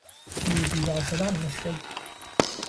زود بیدار شدن مشکل بود.